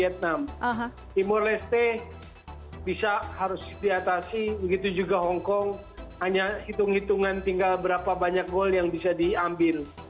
timur leste bisa harus diatasi begitu juga hongkong hanya hitung hitungan tinggal berapa banyak gol yang bisa diambil